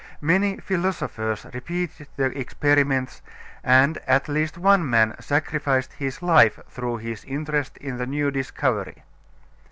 Many philosophers repeated the experiments and at least one man sacrificed his life through his interest in the new discovery.